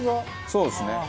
そうですね。